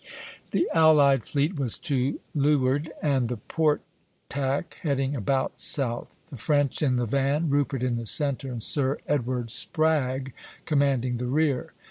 The allied fleet was to leeward on the port tack, heading about south, the French in the van, Rupert in the centre, and Sir Edward Spragge commanding the rear.